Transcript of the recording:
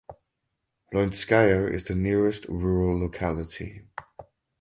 Loinskaya is the nearest rural locality.